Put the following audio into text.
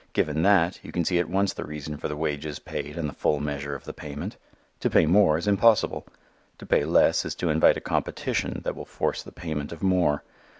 Given that, you can see at once the reason for the wages paid and the full measure of the payment. To pay more is impossible. To pay less is to invite a competition that will force the payment of more.